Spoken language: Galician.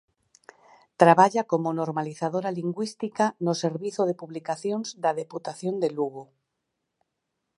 Traballa como normalizadora lingüística no Servizo de Publicacións da Deputación de Lugo.